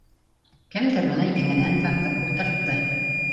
Кемдер уны еңенән тартып ултыртты